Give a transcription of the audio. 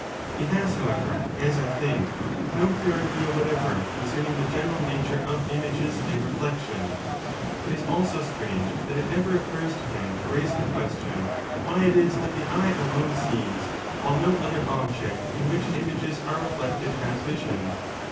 He has, however, as I think, no clear idea whatever concerning the general nature of images n and reflection. It is also strange that it never occurs to him to raise the question why it is that the eye alone sees, while no other object in which images are reflected, has vision.